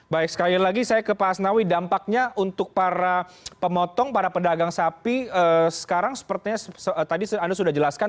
baik sekali lagi saya ke pak asnawi dampaknya untuk para pemotong para pedagang sapi sekarang sepertinya tadi anda sudah jelaskan